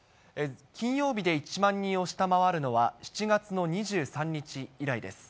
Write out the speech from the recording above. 金曜日で１万人を下回るのは７月の２３日以来です。